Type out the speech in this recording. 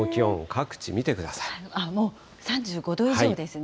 もう３５度以上ですね。